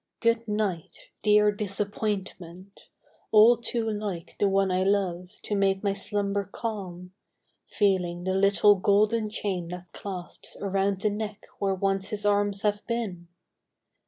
Good night, dear Disappointment ! all too like The one I love to make my slumber calm, Feeling the little golden chain that clasps Around the neck where once his arms have been